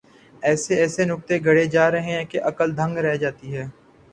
ایسے ایسے نکتے گھڑے جا رہے ہیں کہ عقل دنگ رہ جاتی ہے۔